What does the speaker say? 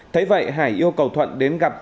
thấy vậy hải yêu cầu thuận đến gặp